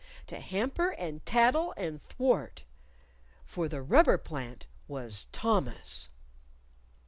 to hamper and tattle and thwart. For the rubber plant was Thomas!